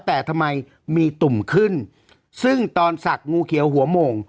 แต่ทำไมมีตุ่มขึ้นซึ่งตอนศักดิ์งูเขียวหัวโมง